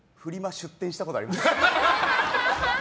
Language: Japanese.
出店したことあります。